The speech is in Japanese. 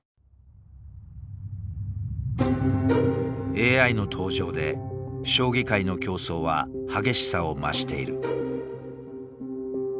ＡＩの登場で将棋界の競争は激しさを増している。